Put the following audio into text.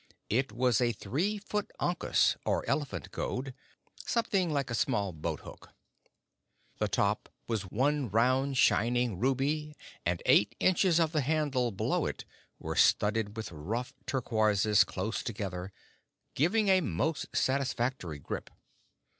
It was a three foot ankus, or elephant goad something like a small boat hook. The top was one round shining ruby, and twelve inches of the handle below it were studded with rough turquoises close together, giving a most satisfactory grip.